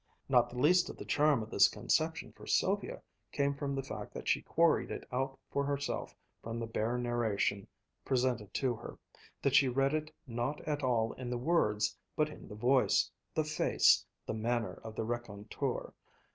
Not the least of the charm of this conception for Sylvia came from the fact that she quarried it out for herself from the bare narration presented to her, that she read it not at all in the words, but in the voice, the face, the manner of the raconteur.